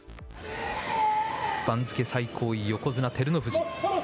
番付最高位横綱・照ノ富士。